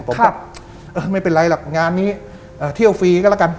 ผมแบบเออไม่เป็นไรหรอกงานนี้เที่ยวฟรีก็แล้วกัน